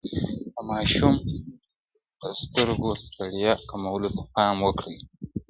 د ماشوم د سترګو ستړيا کمولو ته پام وکړئ.